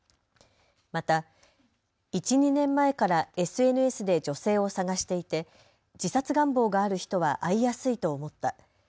また１、２年前からＳＮＳで女性を探していて自殺願望がある人は会いやすいと思った。